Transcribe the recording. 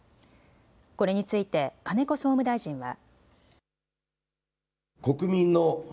これについて金子総務大臣は。